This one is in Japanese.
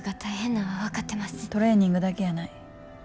トレーニングだけやない。